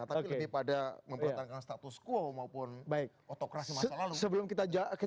tapi lebih pada mempertahankan status quo maupun otokrasi masa lalu